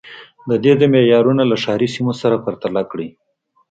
د دې ځای معیارونه له ښاري سیمو سره پرتله کړئ